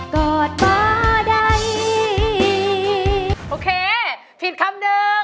กอดมาได้